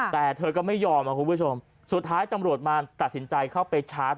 แต่เธอก็ไม่ยอมครับคุณผู้ชมสุดท้ายตำรวจมาตัดสินใจเข้าไปชาร์จ